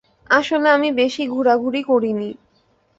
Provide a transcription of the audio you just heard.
আসলে আমি বেশি ঘুরাঘুরি করিনি।